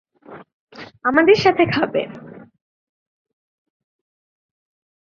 আমাদের সাথে খাবে।